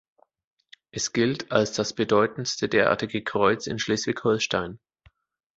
Es gilt als das bedeutendste derartige Kreuz in Schleswig-Holstein.